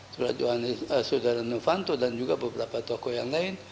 saudara novanto dan juga beberapa tokoh yang lain